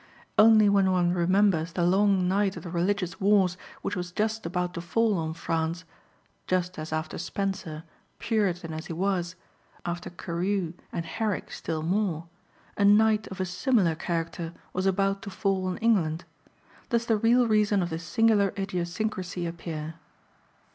Only when one remembers the long night of the religious wars which was just about to fall on France, just as after Spenser, Puritan as he was, after Carew and Herrick still more, a night of a similar character was about to fall on England, does the real reason of this singular idiosyncrasy appear.